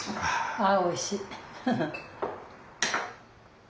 あおいしい！